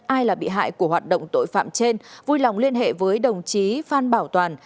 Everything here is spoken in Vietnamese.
ai là bị hại của hoạt động tội phạm trên vui lòng liên hệ với đồng chí phan bảo toàn